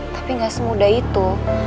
tapi gak semudah itu